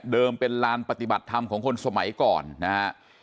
เป็นลานปฏิบัติธรรมของคนสมัยก่อนนะฮะ